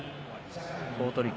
好取組